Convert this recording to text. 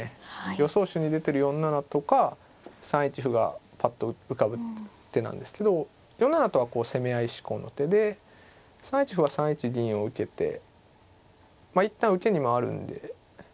予想手に出てる４七とか３一歩がぱっと浮かぶ手なんですけど４七とはこう攻め合い志向の手で３一歩は３一銀を受けてまあ一旦受けに回るんで。